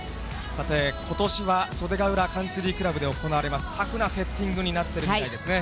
さて、ことしは袖ヶ浦カンツリークラブで行われます、タフなセッティングになっているみたいですね。